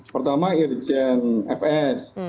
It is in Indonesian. pertama irjen fs